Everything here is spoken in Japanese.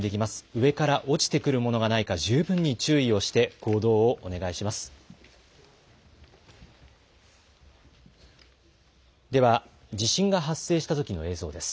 上から落ちてくるものがないか、十分に注意をして行動をお願いします。